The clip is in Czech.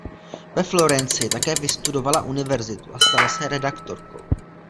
Ve Florencii také vystudovala univerzitu a stala se redaktorkou.